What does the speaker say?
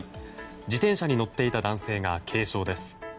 自転車に乗っていた男性が軽傷です。